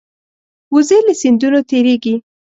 وزې له سیندونو تېرېږي